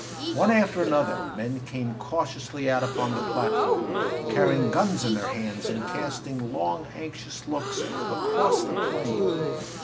One after another, men came cautiously out upon the platform, carrying guns in their hands and casting long, anxious looks across the plain.